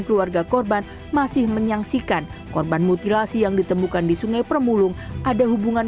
keluarga korban masih menyaksikan korban mutilasi yang ditemukan di sungai permulung ada hubungan